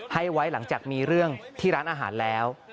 ให้ไว้หลังจากมีเรื่องที่ร้านอาหารแล้ว